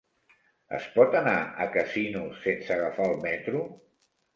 Es pot anar a Casinos sense agafar el metro?